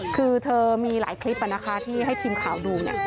คือเธอมีหลายคลิปที่ให้ทีมข่าวดู